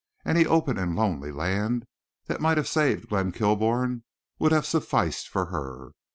Any open and lonely land that might have saved Glenn Kilbourne would have sufficed for her.